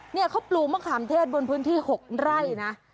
เนี่ยเขาปลูกมะขามเทศบนพื้นที่๖ไร่นะ